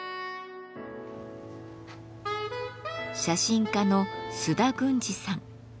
写真家の須田郡司さん。